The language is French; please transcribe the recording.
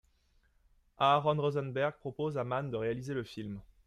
Aaron Rosenberg propose à Mann de réaliser le film.